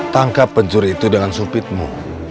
tangkap pencuri itu dengan supitmu